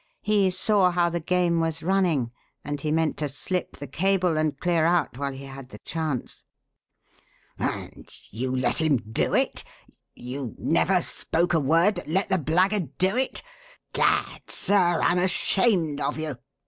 He saw how the game was running and he meant to slip the cable and clear out while he had the chance." "And you let him do it? you never spoke a word, but let the blackguard do it? Gad, sir, I'm ashamed of you!"